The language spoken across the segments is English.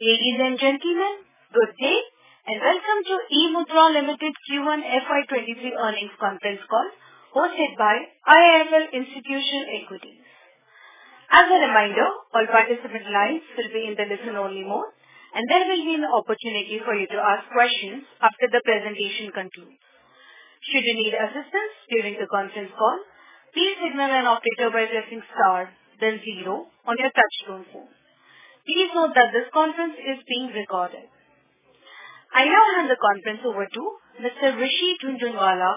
Ladies and gentlemen, good day and welcome to eMudhra Limited's Q1 FY 2023 Earnings Conference Call hosted by IIFL Institutional Equities. As a reminder, all participant lines will be in the listen-only mode, and there will be an opportunity for you to ask questions after the presentation concludes. Should you need assistance during the conference call, please signal an operator by pressing star then zero on your touchtone phone. Please note that this conference is being recorded. I now hand the conference over to Mr. Rishi Jhunjhunwala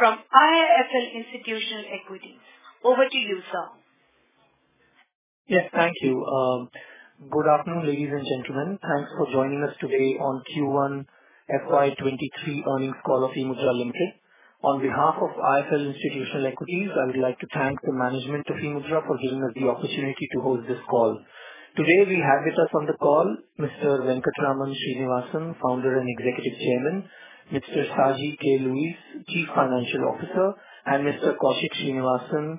from IIFL Institutional Equities. Over to you, sir. Yes, thank you. Good afternoon, ladies and gentlemen. Thanks for joining us today on Q1 FY 2023 Earnings Call of eMudhra Limited. On behalf of IIFL Institutional Equities, I would like to thank the management of eMudhra for giving us the opportunity to hold this call. Today, we have with us on the call Mr. Venkatraman Srinivasan, Founder and Executive Chairman, Mr. Saji K Louiz, Chief Financial Officer, and Mr. Kaushik Srinivasan,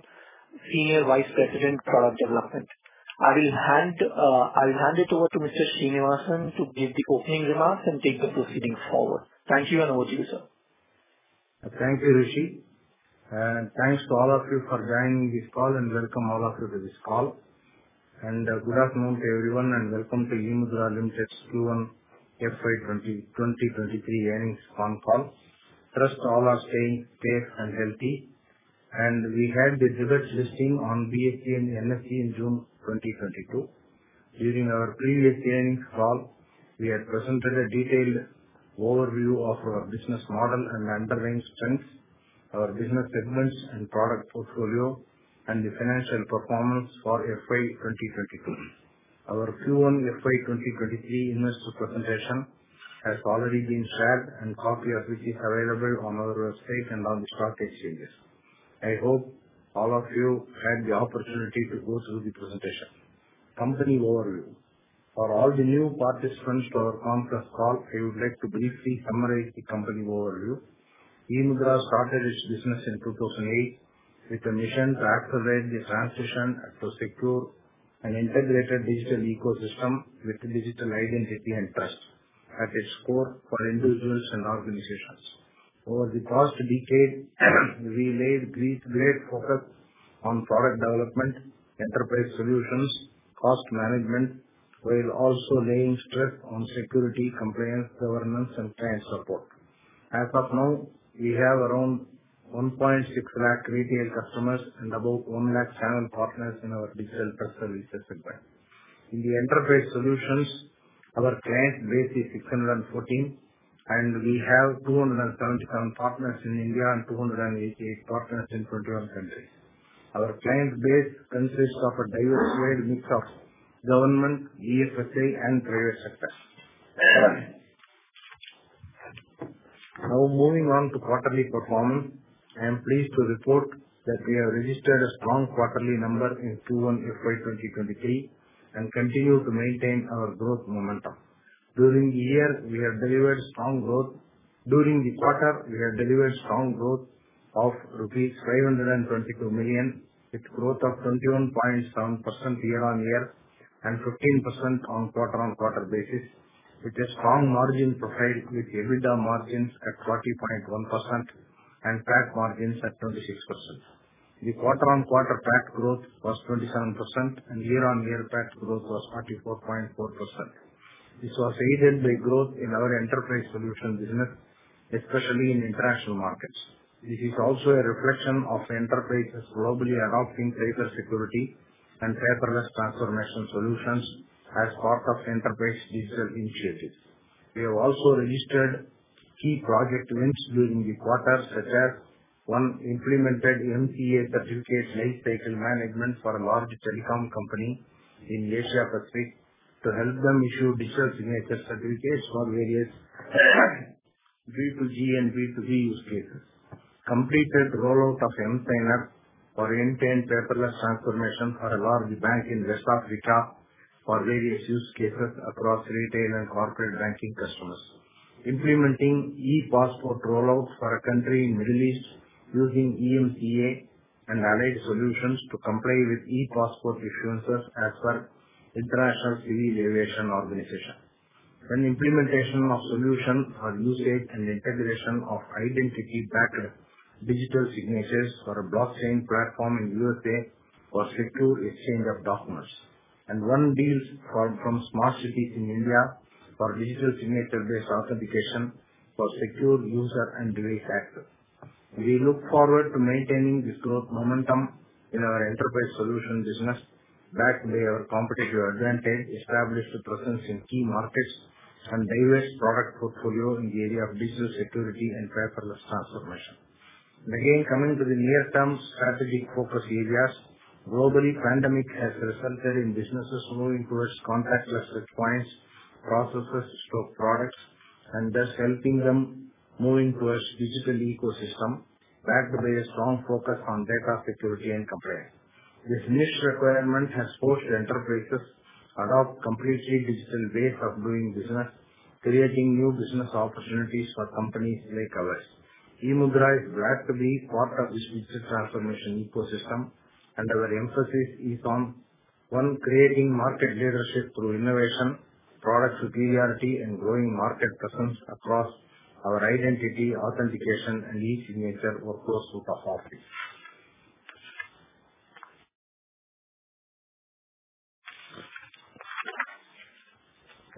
Senior Vice President, Product Development. I will hand it over to Mr. Srinivasan to give the opening remarks and take the proceedings forward. Thank you, and over to you, sir. Thank you, Rishi, and thanks to all of you for joining this call and welcome all of you to this call. Good afternoon to everyone and welcome to eMudhra Limited's Q1 FY 2023 Earnings Conference Call. First, all are staying safe and healthy. We had the direct listing on BSE and NSE in June 2022. During our previous earnings call, we had presented a detailed overview of our business model and underlying strengths, our business segments and product portfolio, and the financial performance for FY 2022. Our Q1 FY 2023 investor presentation has already been shared and copy of which is available on our website and on the stock exchanges. I hope all of you had the opportunity to go through the presentation. Company overview. For all the new participants to our conference call, I would like to briefly summarize the company overview. EMudhra started its business in 2008 with a mission to accelerate the transition to secure an integrated digital ecosystem with digital identity and Enterprise Solutions at its core, for individuals and organizations. Over the past decade, we made great focus on product development, enterprise solutions, cost management, while also laying stress on security, compliance, governance, and client support. As of now, we have around 1.6 lakh retail customers and about 1 lakh channel partners in our Digital Trust Services segment. In the Enterprise Solutions, our client base is 614, and we have 277 partners in India and 288 partners in 21 countries. Our client base consists of a diversified mix of government, BFSI, and private sector. Now, moving on to quarterly performance. I am pleased to report that we have registered a strong quarterly number in Q1 FY 2023, and continue to maintain our growth momentum. During the year, we have delivered strong growth. During the quarter, we have delivered strong growth of rupees 522 million, with growth of 21.7% year-on-year and 15% on quarter-on-quarter basis, with a strong margin profile with EBITDA margins at 40.1% and PAT margins at 26%. The quarter-on-quarter PAT growth was 27% and year-on-year PAT growth was 44.4%. This was aided by growth in our Enterprise Solutions business, especially in international markets. This is also a reflection of enterprises globally adopting data security and paperless transformation solutions as part of enterprise digital initiatives. We have also registered key project wins during the quarter, such as one implemented emCA Certificate Lifecycle Management for a large telecom company in Asia Pacific to help them issue digital signature certificates for various B2G and B2B use cases. Completed rollout of emSigner for end-to-end paperless transformation for a large bank in West Africa for various use cases across retail and corporate banking customers. Implementing e-passport rollouts for a country in Middle East using emCA and allied solutions to comply with e-passport issuances as per International Civil Aviation Organization. An implementation of solution for usage and integration of identity backed digital signatures for a blockchain platform in USA for secure exchange of documents. Won deals from smart cities in India for digital signature-based authentication for secure user and device access. We look forward to maintaining this growth momentum in our Enterprise Solution business, backed by our competitive advantage, established presence in key markets, and diverse product portfolio in the area of digital security and paperless transformation. Again, coming to the near-term strategic focus areas. Globally, pandemic has resulted in businesses moving towards contactless touchpoints, processes to products, and thus helping them moving towards digital ecosystem backed by a strong focus on data security and compliance. This niche requirement has forced enterprises adopt completely digital ways of doing business, creating new business opportunities for companies like ours. eMudhra is glad to be part of this digital transformation ecosystem, and our emphasis is on, one, creating market leadership through innovation, product superiority, and growing market presence across our identity, authentication and e-signature workflow suite of offerings.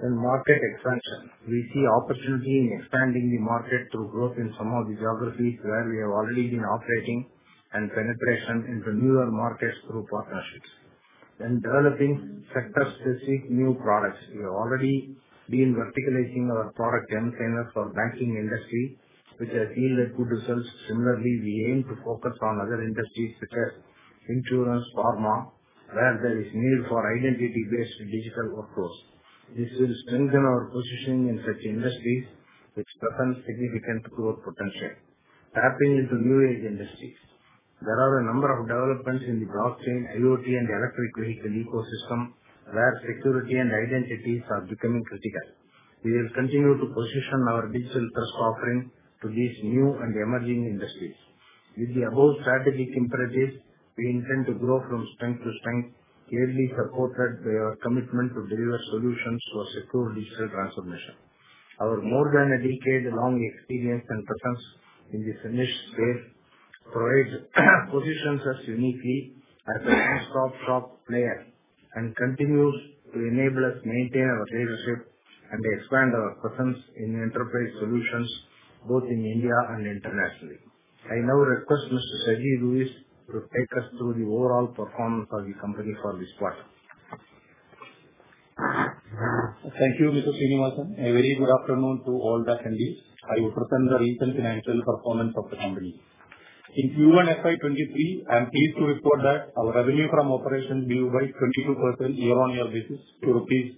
Market expansion. We see opportunity in expanding the market through growth in some of the geographies where we have already been operating, and penetration into newer markets through partnerships. Developing sector-specific new products. We have already been verticalizing our product emSigner for banking industry, which has yielded good results. Similarly, we aim to focus on other industries such as insurance, pharma, where there is need for identity-based digital workflows. This will strengthen our positioning in such industries which present significant growth potential. Tapping into new age industries. There are a number of developments in the blockchain, IoT and electric vehicle ecosystem, where security and identities are becoming critical. We will continue to position our digital trust offering to these new and emerging industries. With the above strategic imperatives, we intend to grow from strength to strength, clearly supported by our commitment to deliver solutions for secure digital transformation. Our more than a decade-long experience and presence in this niche space positions us uniquely as a top player and continues to enable us maintain our leadership and expand our presence in Enterprise Solutions both in India and internationally. I now request Mr. Saji Louiz to take us through the overall performance of the company for this quarter. Thank you, Mr. Srinivasan. A very good afternoon to all the attendees. I will present the recent financial performance of the company. In Q1 FY 2023, I am pleased to report that our revenue from operations grew by 22% year-on-year to rupees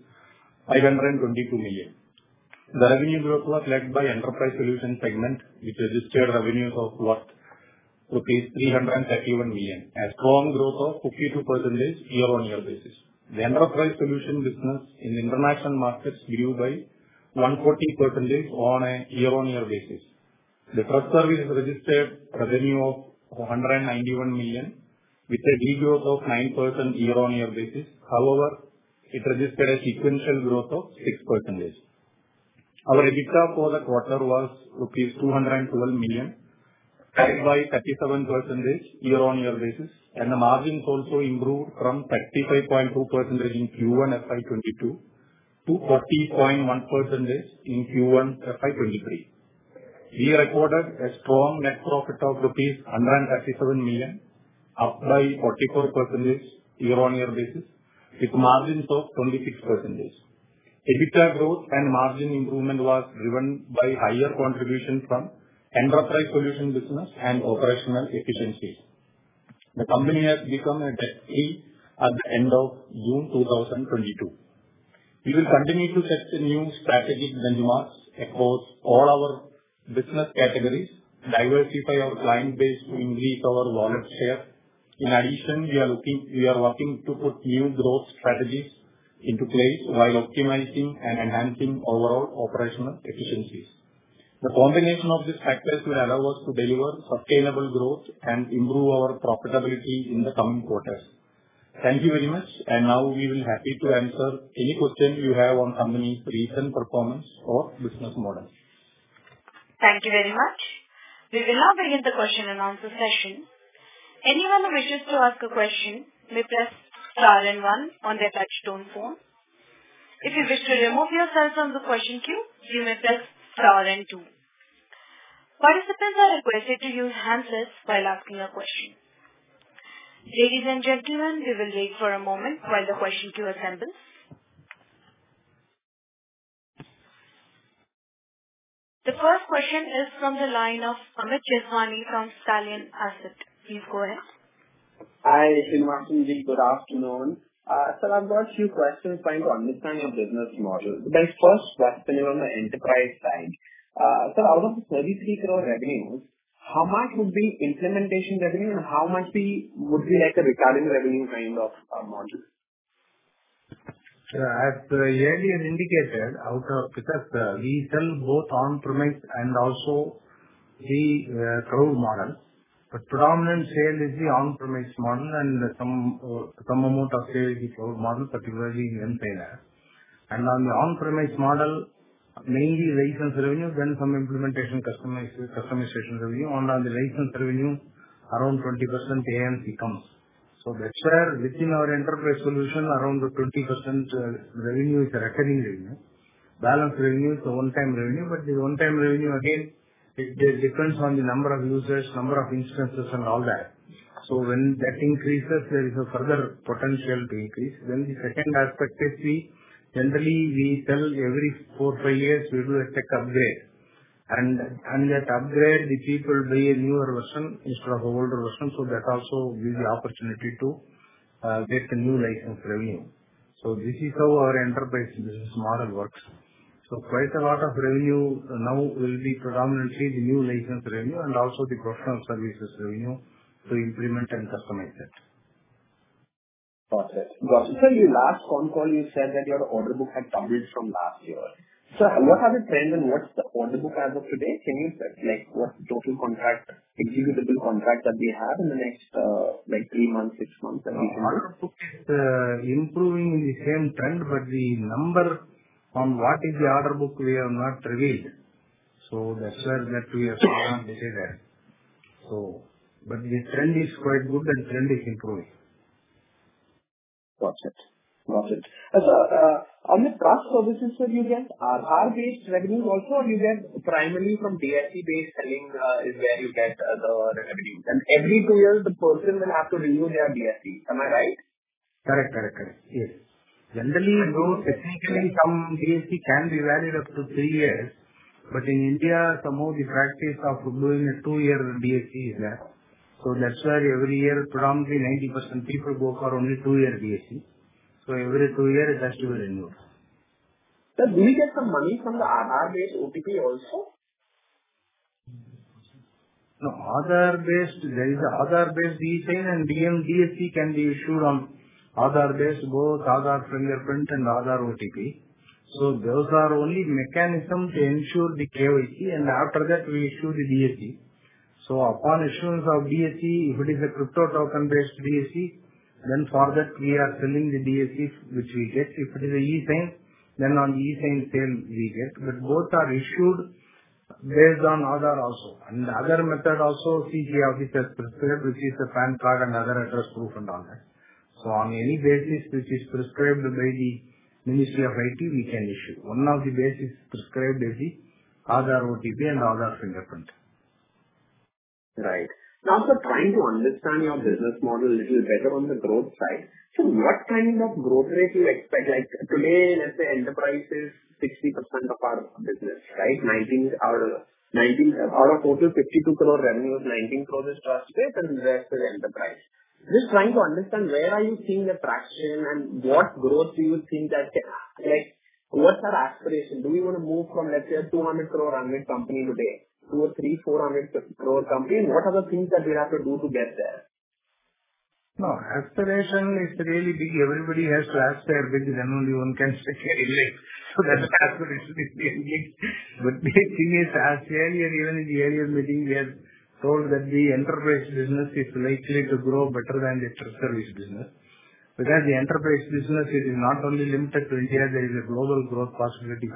522 million. The revenue growth was led by Enterprise Solution segment, which registered revenues of rupees 331 million, a strong growth of 52% year-on-year. The Enterprise Solution business in international markets grew by 1.8% on a year-on-year basis. The Trust Service registered revenue of 191 million with a de-growth of 9% year-on-year. However, it registered a sequential growth of 6%. Our EBITDA for that quarter was rupees 212 million, up by 37% year-on-year basis, and the margins also improved from 35.2% in Q1 FY 2022 to 40.1% in Q1 FY 2023. We reported a strong net profit of rupees 137 million, up by 44% year-on-year basis with margins of 26%. EBITDA growth and margin improvement was driven by higher contribution from Enterprise Solutions business and operational efficiencies. The company has become debt-free at the end of June 2022. We will continue to set the new strategic benchmarks across all our business categories, diversify our client base to increase our wallet share. In addition, we are working to put new growth strategies into place while optimizing and enhancing overall operational efficiencies. The combination of these factors will allow us to deliver sustainable growth and improve our profitability in the coming quarters. Thank you very much, and now we'll be happy to answer any questions you have on the company's recent performance or business model. Thank you very much. We will now begin the question and answer session. Anyone who wishes to ask a question may press star and one on their touchtone phone. If you wish to remove yourself from the question queue, you may press star and two. Participants are requested to use hands-free while asking a question. Ladies and gentlemen, we will wait for a moment while the question queue assembles. The first question is from the line of Amit Jeswani from Stallion Asset. Please go ahead. Hi, Srinivasan. Good afternoon. I've got a few questions trying to understand your business model. The first question is on the enterprise side. Out of the 33 crore revenues, how much would be implementation revenue and how much would be like a recurring revenue kind of model? As earlier indicated, because we sell both on-premise and also the cloud model. The predominant sale is the on-premise model and some amount of sale is the cloud model, particularly in emSigner. On the on-premise model, mainly license revenue, then some implementation customization revenue. On the license revenue, around 20% AMC comes. That share within our Enterprise Solutions, around 20%, revenue is a recurring revenue. Balance revenue is a one-time revenue, but the one-time revenue again, it depends on the number of users, number of instances and all that. When that increases, there is a further potential to increase. The second aspect is we generally sell every four, five years we do a tech upgrade. That upgrade, the people buy a newer version instead of the older version, so that also give the opportunity to get the new license revenue. This is how our enterprise business model works. Quite a lot of revenue now will be predominantly the new license revenue and also the professional services revenue to implement and customize it. Got it. In the last phone call, you said that your order book had doubled from last year. What are the trends and what's the order book as of today? Can you say like what total contract, executable contract that we have in the next, like three months, six months, and nine months? Order book is improving in the same trend, but the number on what is the order book we have not revealed. That's where we have not decided. The trend is quite good and trend is improving. Got it. As on the trust services that you get, Aadhaar-based revenue also or you get primarily from DSC-based selling, is where you get the revenue. Every two years, the person will have to renew their DSC. Am I right? Correct. Yes. Generally, though, technically some DSC can be valid up to three years, but in India, somehow the practice of doing a two-year DSC is there. That's why every year predominantly 90% people go for only two-year DSC. Every two years that will renew. Do you get some money from the Aadhaar-based OTP also? No. Aadhaar-based, there is Aadhaar-based e-sign and DSC can be issued on Aadhaar-based, both Aadhaar fingerprint and Aadhaar OTP. Those are only mechanism to ensure the KYC, and after that we issue the DSC. Upon issuance of DSC, if it is a crypto token-based DSC, then for that we are selling the DSC which we get. If it is an e-sign, then on e-sign sale we get. Both are issued based on Aadhaar also. The other method also CCA officer prescribed, which is a PAN card and other address proof and all that. On any basis which is prescribed by the Ministry of IT, we can issue. One of the basis prescribed is the Aadhaar OTP and Aadhaar fingerprint. Right. Now, sir, trying to understand your business model little better on the growth side. What kind of growth rate you expect? Like today, let's say enterprise is 60% of our business, right? Our total 52 crore revenue, 19 crore is Trust Service and the rest is Enterprise. Just trying to understand where are you seeing the traction and what growth do you think. Like, what are aspiration? Do you wanna move from, let's say, a 200 crore revenue company today to a 300 crore-400 crore company? What are the things that we have to do to get there? No, aspiration is really big. Everybody has to aspire big. Only one can succeed in life. That aspiration is really big. The thing is, as earlier, even in the earlier meeting, we have told that the enterprise business is likely to grow better than the Trust Service business. Because the enterprise business, it is not only limited to India, there is a global growth possibilities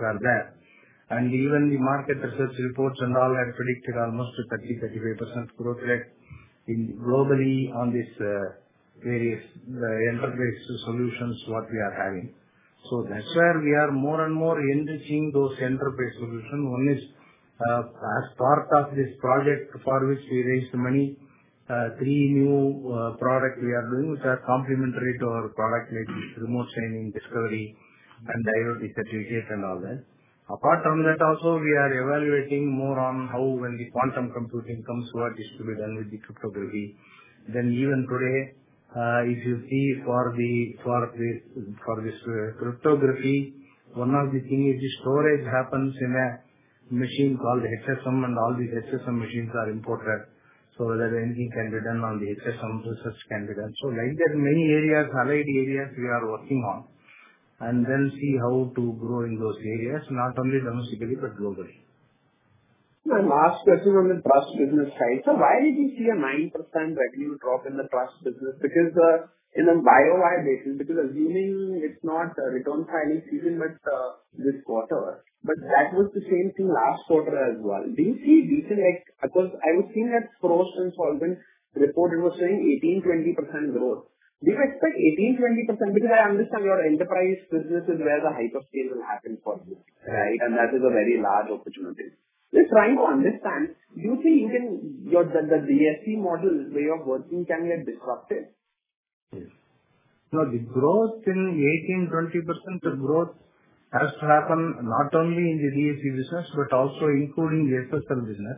are there. Even the market research reports and all had predicted almost a 30%-35% growth rate globally on this various Enterprise Solutions, what we are having. That's where we are more and more enriching those Enterprise Solutions. One is, as part of this project for which we raised money, three new product we are doing which are complementary to our product like remote signing, discovery, and IoT certificate and all that. Apart from that also, we are evaluating more on how when the quantum computing comes, what is to be done with the cryptography. Even today, if you see for this cryptography, one of the thing is the storage happens in a machine called HSM, and all these HSM machines are imported. Whether anything can be done on the HSM, research can be done. Like that, many areas, allied areas we are working on, and then see how to grow in those areas, not only domestically but globally. My last question on the trust business side. Why did you see a 9% revenue drop in the trust business? Because, in a YoY basis, because assuming it's not a return filing season but, this quarter. That was the same thing last quarter as well. Do you see detail. Of course, I was seeing that Frost & Sullivan report. It was showing 18%-20% growth. Do you expect 18%-20%? Because I understand your enterprise business is where the hyperscale will happen for you, right? That is a very large opportunity. Just trying to understand, do you think you can, your, the DSC model way of working can get disrupted? Yes. No, the 18%-20% growth has to happen not only in the DSC business but also including SSL business.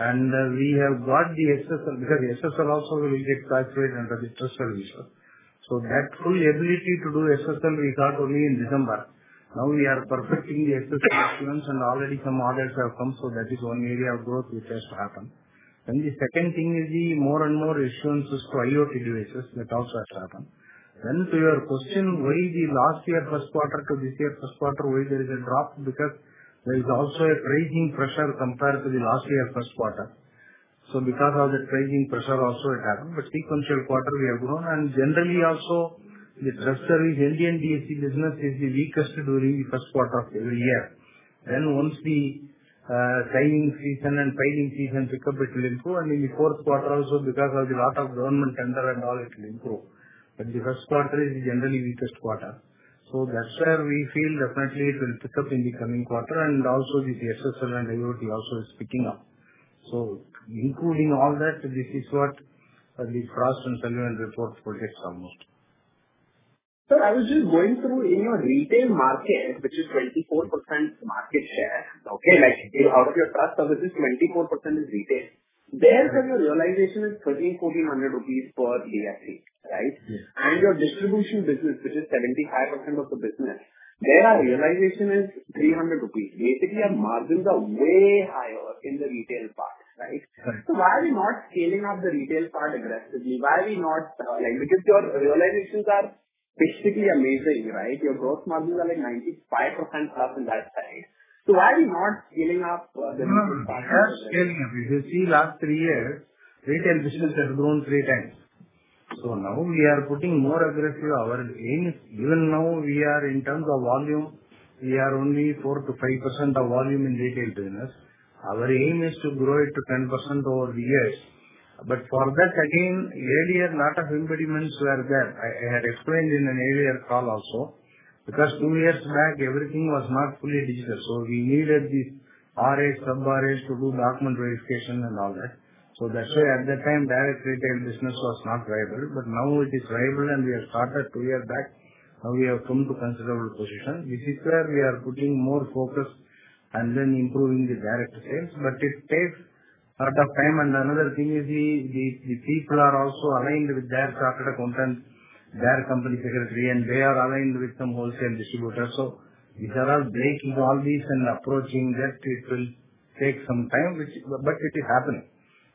We have got the SSL, because SSL also will get captured under the Trust Service. That full ability to do SSL we got only in December. Now we are perfecting the SSL issuance and already some orders have come, so that is one area of growth which has to happen. The second thing is the more and more issuance is to IoT devices. That also has to happen. To your question, why the last year first quarter to this year first quarter, why there is a drop? Because there is also a pricing pressure compared to the last year first quarter. Because of the pricing pressure also it happened. Sequential quarter we have grown and generally also the Trust Service, Indian DSC business is the weakest during the first quarter of every year. Then once the signing season and filing season pick up, it will improve. In the fourth quarter also because of the lot of government tender and all, it will improve. The first quarter is generally weakest quarter. That's where we feel definitely it will pick up in the coming quarter. Also with the SSL and IoT also is picking up. Including all that, this is what the Frost & Sullivan report will come out. Sir, I was just going through your retail market, which is 24% market share. Okay? Like, out of your Trust Service, 24% is retail. There the realization is 1,300-1,400 rupees per DSC, right? Yes. Your distribution business, which is 75% of the business, their realization is 300 rupees. Basically, your margins are way higher in the retail part, right? Why are you not scaling up the retail part aggressively? Why are you not? Because your realizations are basically amazing, right? Your gross margins are like 95%+ in that side. Why are you not scaling up the retail part? No, we are scaling up. If you see last three years, retail business has grown 3x. Now we are putting more aggressive. Our aim is even now we are, in terms of volume, we are only 4%-5% of volume in retail business. Our aim is to grow it to 10% over the years. For that, again, earlier lot of impediments were there. I had explained in an earlier call also, because two years back everything was not fully digital, so we needed the RAs, sub RAs to do document verification and all that. That's why at that time, direct retail business was not viable. Now it is viable, and we have started two years back. Now we have come to considerable position. This is where we are putting more focus and then improving the direct sales. It takes a lot of time. Another thing is the people are also aligned with their chartered accountant, their company secretary, and they are aligned with some wholesale distributors. These are all breaking all these and approaching that it will take some time, which. It is happening.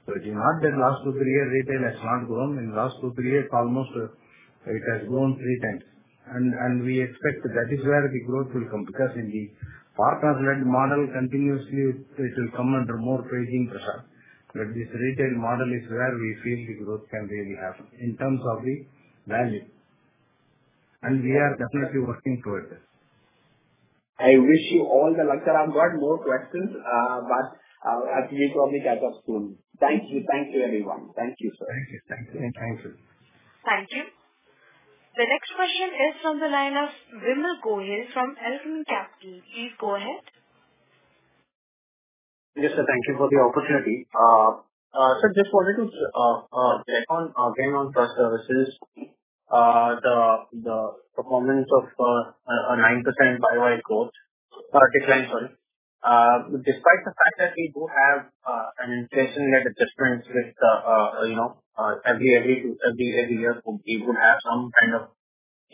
It is not that last two to three years retail has not grown. In last two to three years almost, it has grown 3x. We expect that is where the growth will come, because in the partner-led model continuously it will come under more pricing pressure. This retail model is where we feel the growth can really happen in terms of the value. We are definitely working towards this. I wish you all the luck. Sir, I've got more questions, but we probably catch up soon. Thank you. Thank you, everyone. Thank you, sir. Thank you. Thank you. Thank you. Thank you. The next question is from the line of Vimal Gohil from Alchemy Capital. Please go ahead. Yes, sir. Thank you for the opportunity. Sir, just wanted to check on again on Trust Services. The performance of a 9% Y-o-Y growth or decline, sorry, despite the fact that we do have an inflation-led adjustments with, you know, every year we would have some kind of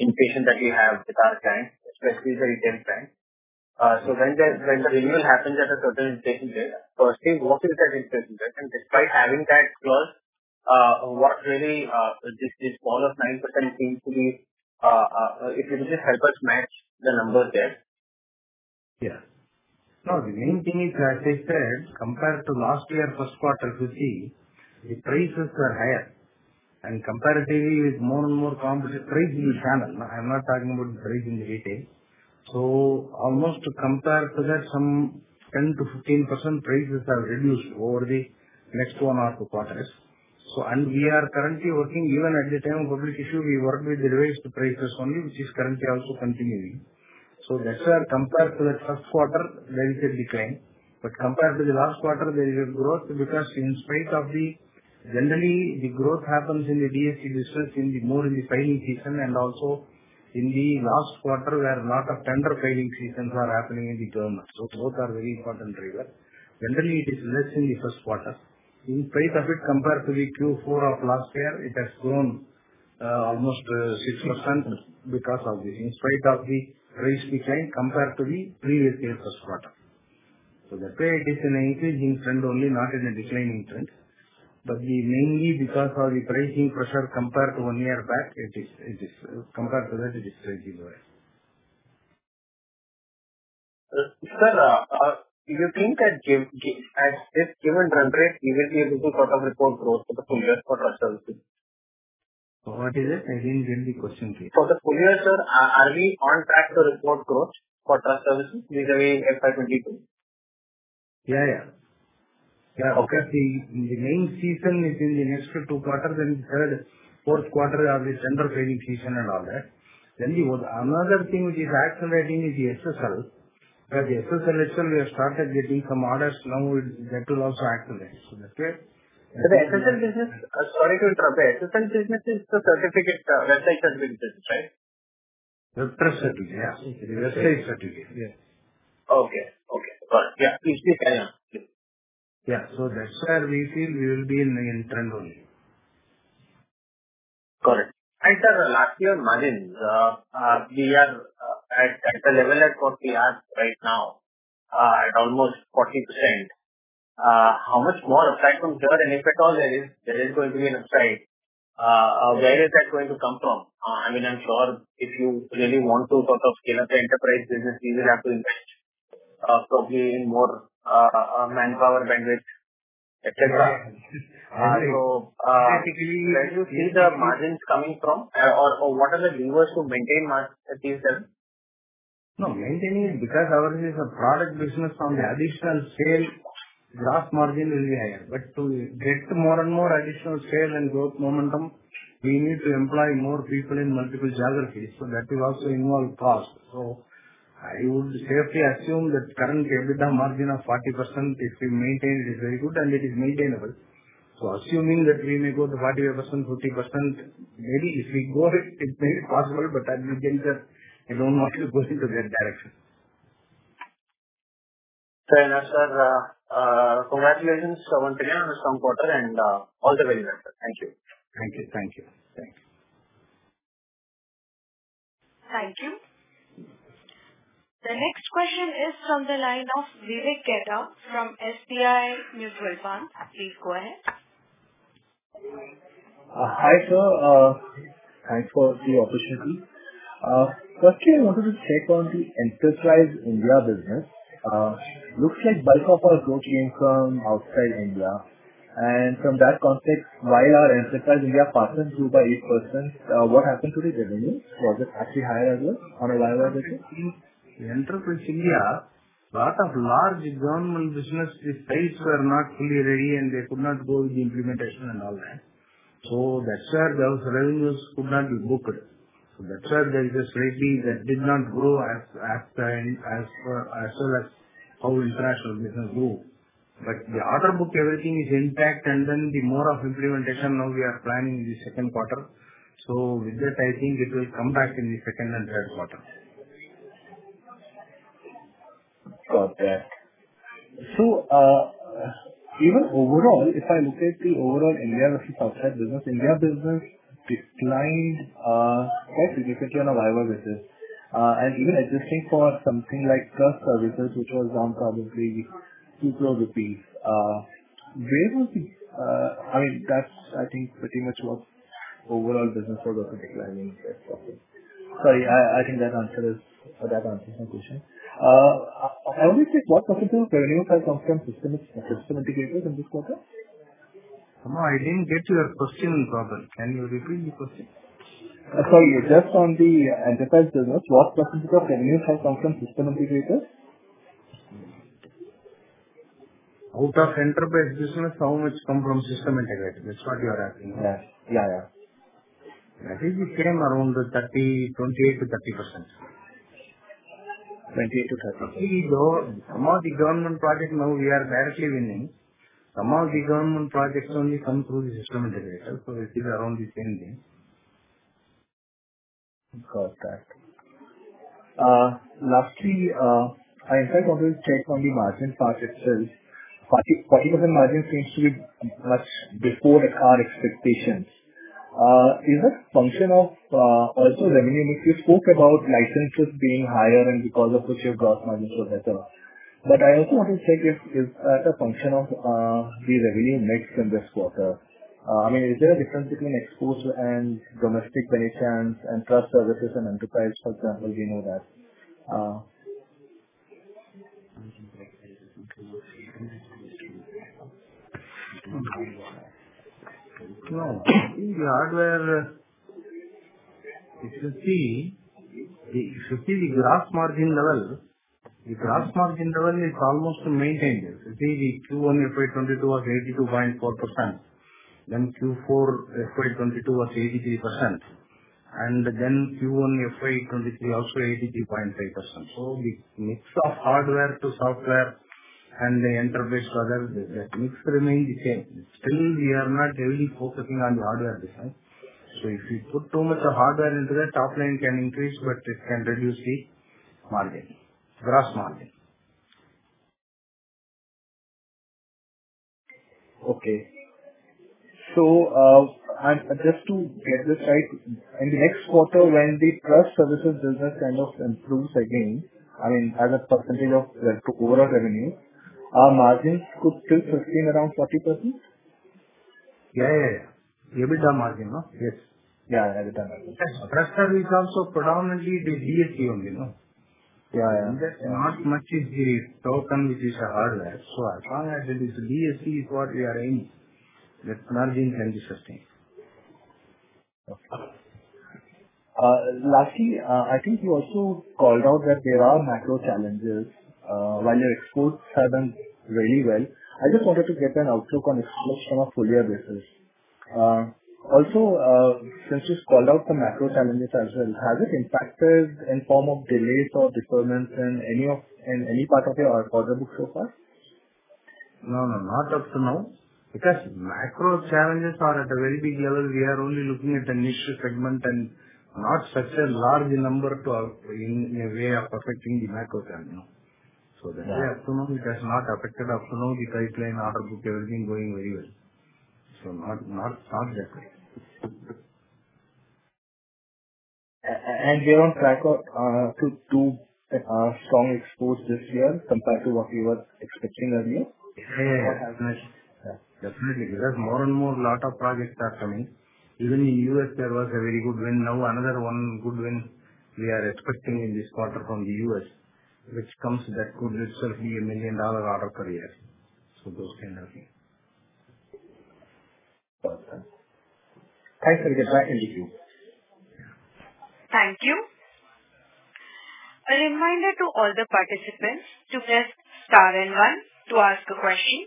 inflation that we have with our clients, especially the retail clients. So when the renewal happens at a certain inflation rate, firstly, what is that inflation rate? Despite having that clause, what really this fall of 9% seems to be if you just help us match the numbers there. Yeah. No, the main thing is, as I said, compared to last year first quarter, you see the prices were higher and comparatively with more and more competition, price in the channel. No, I'm not talking about the price in the retail. Almost compared to that some 10%-15% prices have reduced over the next one or two quarters. And we are currently working even at the time of public issue, we worked with the revised prices only, which is currently also continuing. That's why compared to the first quarter, there is a decline. Compared to the last quarter, there is a growth because in spite of the, generally, the growth happens in the DSC business, in the more in the filing season and also in the last quarter where lot of tender filing seasons are happening in the government. Both are very important driver. Generally, it is less in the first quarter. In spite of it, compared to the Q4 of last year, it has grown almost 6% in spite of the price decline compared to the previous year first quarter. That's why it is in a increasing trend only, not in a declining trend. Mainly, because of the pricing pressure compared to one year back, it is compared to that it is rising well. Sir, do you think that, at this given run rate, you will be able to report growth for the full year for Trust Services? What is it? I didn't get the question clearly. For the full year, sir, are we on track to report growth for trust services vis-à-vis FY 2022? Yeah, yeah. Yeah, of course, the main season is in the next two quarters and third, fourth quarter are the tender filing season and all that. Another thing which is accelerating is the SSL. The SSL recently, we have started getting some orders, now that will also accelerate. That's why. The SSL business, sorry to interrupt. The SSL business is the certificate, website certificate business, right? WebTrust certificate. Yeah. Okay. The website certificate. Yes. Okay. Got it. Yeah. You see the trend. Yeah. That's why we feel we will be in the interim only. Got it. Sir, last year margins, we are at a level at 40-odd right now, at almost 40%. How much more upside from here? If at all there is, there is going to be an upside, where is that going to come from? I mean, I'm sure, if you really want to sort of scale up the enterprise business, you will have to invest, probably in more manpower bandwidth, et cetera. Right. Where do you see the margins coming from or what are the levers to maintain margins, sir? No, maintaining, because ours is a product business, from the additional sale, gross margin is higher. To get more and more additional sale and growth momentum, we need to employ more people in multiple geographies. That will also involve cost. I would safely assume that current EBITDA margin of 40%, if we maintain, it is very good and it is maintainable. Assuming that we may go to 45%, 50%, maybe if we go, it's very possible, but that will be the. I don't want to go into that direction. Fair enough, sir. Congratulations on clearing this quarter and all the very best, sir. Thank you. Thank you. Thank you. The next question is from the line of Vivek Gedda from SBI Mutual Fund. Please go ahead. Hi, sir. Thanks for the opportunity. Firstly, I wanted to check on the Enterprise India business. Looks like bulk of our growth came from outside India. From that context, why our Enterprise India partners grew by 8%? What happened to the revenue? Was it actually higher as well on a YOY basis? Enterprise India, a lot of large government businesses, the sites were not fully ready and they could not go with the implementation and all that. That's where those revenues could not be booked. That's where there is a slightly that did not grow as well as how international business grew. The order book, everything is intact. The more of implementation now we are planning the second quarter. With that, I think it will come back in the second and third quarter. Got that. Even overall, if I look at the overall India versus outside business, India business declined quite significantly on a YOY basis. Even adjusting for something like Trust Services, which was down probably 2 crore rupees, where was the, I mean, that's, I think pretty much what overall business was also declining this quarter. Sorry, I think that answers my question. I only think what percentage of revenues have come from system integrators in this quarter? No, I didn't get your question properly. Can you repeat the question? Sorry. Just on the Enterprise business, what percentage of revenues have come from system integrators? Out of Enterprise business, how much come from system integrators? That's what you are asking? Yeah. Yeah, yeah. That is the same, around 30, 28%-30%. 28%-30% Some of the government projects now we are directly winning. Some of the government projects only come through the system integrators, so it is around the same thing. Got that. Lastly, I in fact wanted to check on the margin part itself. 40% margin seems to be much before our expectations. Is it function of also revenue mix. You spoke about licenses being higher and because of which your gross margin was better. I also want to check if as a function of the revenue mix in this quarter, I mean, is there a difference between exports and domestic business and Trust Services and Enterprise Solutions, for example, we know that. No. In the hardware, if you see the gross margin level, the gross margin level is almost maintained. You see the Q1 FY 2022 was 82.4%, then Q4 FY 2022 was 83%, and then Q1 FY 2023 also 83.5%. The mix of hardware to software and the enterprise rather, the mix remain the same. Still, we are not heavily focusing on the hardware business. If we put too much of hardware into that, top line can increase, but it can reduce the margin, gross margin. Okay. Just to get this right, in the next quarter, when the Trust Services business kind of improves again, I mean, as a percentage of the overall revenue, our margins could still sustain around 40%? Yeah, yeah. EBITDA margin, no? Yes. Yeah, EBITDA margin. Trust Services is also predominantly the DSC only, no? Yeah, yeah. That's not much, it's the token, which is hardware. As long as it's DSC that's what we are aiming, that margin can be sustained. Okay. Lastly, I think you also called out that there are macro challenges. While your exports have done very well. I just wanted to get an outlook on this from a full year basis. Also, since you've called out the macro challenges as well, has it impacted in form of delays or deferments in any part of your order book so far? No, not up to now. Because macro challenges are at a very big level. We are only looking at a niche segment and not such a large number to, in a way of affecting the macro challenge. That way, up to now, it has not affected up to now the pipeline, order book, everything going very well. Not that way. We are on track for two strong exports this year compared to what you were expecting earlier? Yeah. Definitely. Because more and more lot of projects are coming. Even in U.S., there was a very good win. Now, another one good win we are expecting in this quarter from the U.S., which could itself be a million-dollar order per year. Those kind of thing. Perfect. Thanks for the update. Thank you. Thank you. A reminder to all the participants to press star and one to ask a question.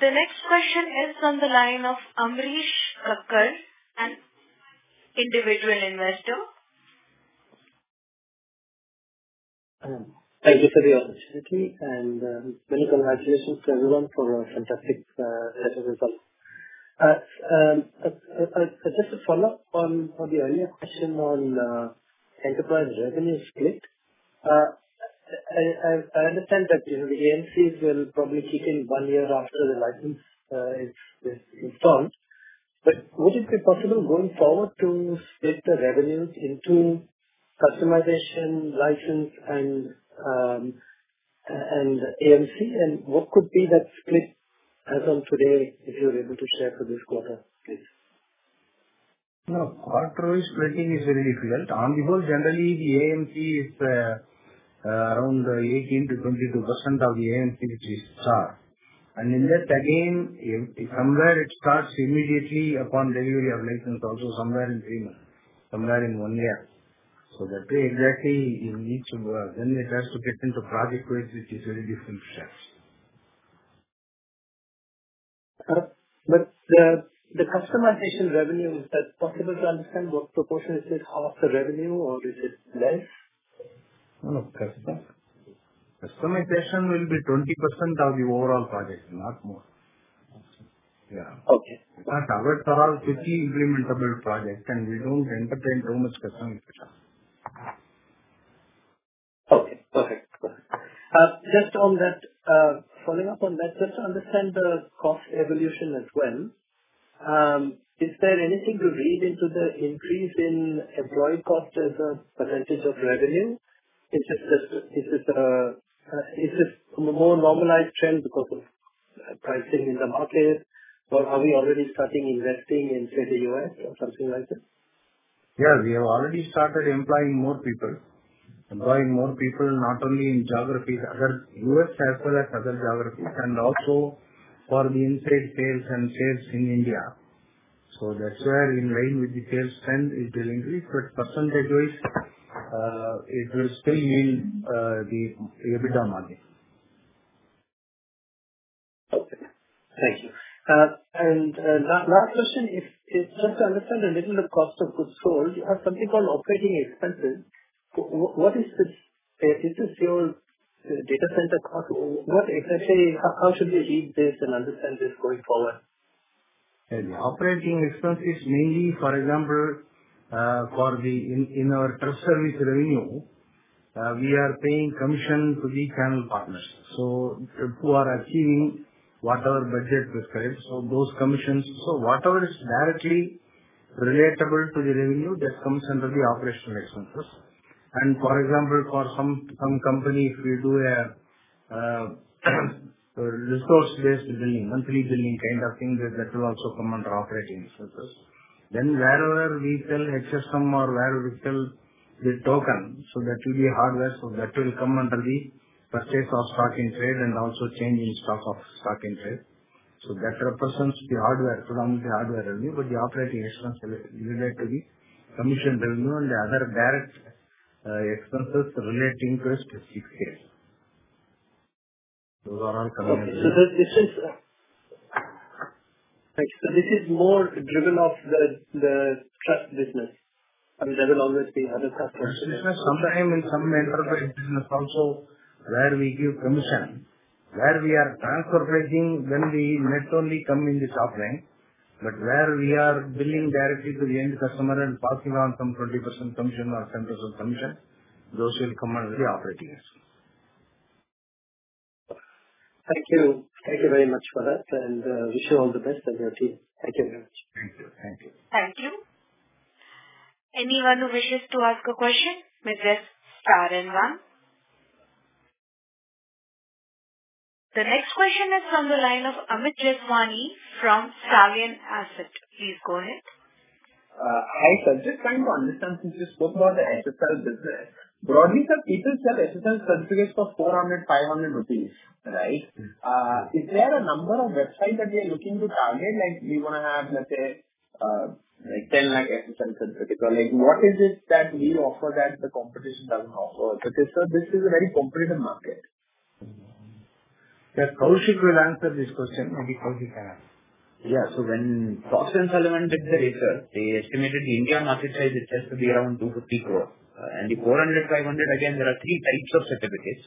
The next question is from the line of Amrish Kakar, an individual investor. Thank you for the opportunity and many congratulations to everyone for a fantastic set of results. I just to follow up on the earlier question on enterprise revenue split. I understand that, you know, the AMCs will probably kick in one year after the license is installed. Would it be possible going forward to split the revenues into customization, license and AMC? What could be that split as of today, if you're able to share for this quarter, please? No, quarter splitting is very difficult. On the whole, generally, the AMC is around 18%-22% of the AMC which we sell. In that, again, if somewhere it starts immediately upon delivery of license, also somewhere in three months, somewhere in one year. That way, exactly, in each of. It has to get into project-wise, which is very difficult to share. The customization revenue, is that possible to understand what proportion is this, half the revenue or is it less? No, customization will be 20% of the overall project, not more. Okay. Yeah. Okay. Because ours are quickly implementable project and we don't entertain too much customization. Okay. Perfect. Just on that, following up on that, just to understand the cost evolution as well, is there anything to read into the increase in employee cost as a percentage of revenue? Is this a more normalized trend because of pricing in the market, or are we already starting investing in, say, the U.S. Or something like that? Yeah. We have already started employing more people. Employing more people not only in the U.S. as well as other geographies, and also for inside sales and sales in India. That's where, in line with the sales trend, it will increase. Percentage-wise, it will still remain the EBITDA margin. Okay. Thank you. Last question is just to understand a little the cost of goods sold. You have something called operating expenses. What is this? Is this your data center cost? What exactly, how should we read this and understand this going forward? Operating expenses mainly, for example, in our Trust Service revenue, we are paying commission to the channel partners. Who are achieving whatever budget is correct, those commissions. Whatever is directly relatable to the revenue, that comes under the operating expenses. For example, for some companies, we do resource-based billing, monthly billing kind of thing, that will also come under operating expenses. Wherever we sell HSM or wherever we sell the token, that will be a hardware, that will come under the purchase of stock in trade and also change in stock of stock in trade. That represents the hardware, predominantly hardware only. The operating expense related to the commission revenue and the other direct expenses relating to it, specific case. Those are all coming under This is more driven by the trust business. I mean, there will always be other customers. Sometimes in some enterprise business also where we give commission, where we are transfer pricing, when the nets only come in the top line, but where we are billing directly to the end customer and passing on some 20% commission or 10% commission, those will come under the operating expense. Thank you. Thank you very much for that. Wish you all the best and your team. Thank you very much. Thank you. Thank you. Thank you. Anyone who wishes to ask a question may press star and one. The next question is from the line of Amit Jeswani from Stallion Asset. Please go ahead. I was just trying to understand since you spoke about the SSL business. Broadly sir, people sell SSL certificates for 400-500 rupees, right? Is there a number of websites that we are looking to target? Like, we wanna have, let's say, 10 lakh SSL certificates. Or like what is it that we offer that the competition doesn't offer? Because this is a very competitive market. Yeah. Kaushik will answer this question. Maybe Kaushik can answer. Yeah. When Frost & Sullivan did the research, they estimated the India market size itself to be around 250 crore. The 400-500, again, there are three types of certificates.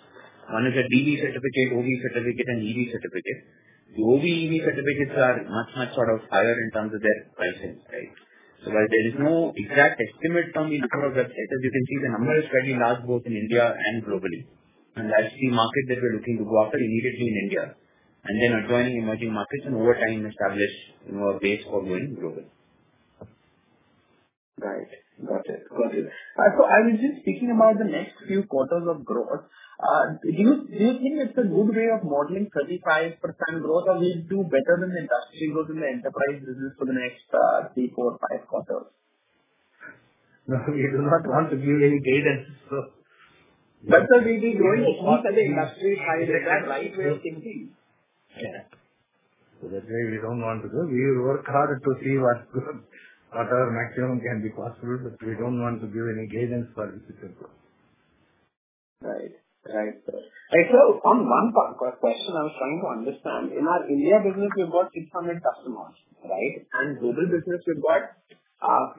One is a DV certificate, OV certificate, and EV certificate. The OV, EV certificates are much, much, sort of, higher in terms of their pricing, right? While there is no exact estimate from the number of websites, as you can see, the number is very large, both in India and globally. That's the market that we're looking to go after immediately in India, and then adjoining emerging markets and over time establish more base for going global. Right. Got it. I was just thinking about the next few quarters of growth. Do you think it's a good way of modeling 35% growth or we'll do better than the industry growth in the enterprise business for the next three, four, five quarters? No, we do not want to give any guidance. Sir, we did well in the quarter. Industry 5%, right? We are thinking. Yeah. That's why we don't want to do. We work hard to see what growth, whatever maximum can be possible, but we don't want to give any guidance for the future growth. Right, sir. On one part, question I was trying to understand. In our India business, we've got 600 customers, right? Global business, we've got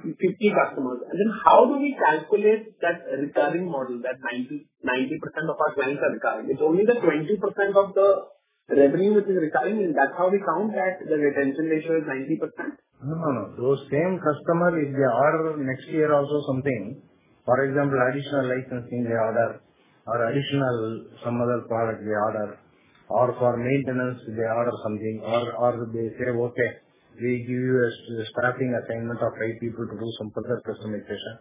50 customers. Then how do we calculate that recurring model that 90% of our clients are coming? It's only the 20% of the revenue which is recurring, that's how we count that the retention ratio is 90%. No, no. Those same customer, if they order next year also something, for example, additional licensing they order or additional some other product they order, or for maintenance they order something or they say, "Okay, we give you a staffing assignment of five people to do some further customization."